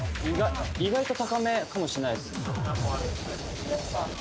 意外と高めかもしんないです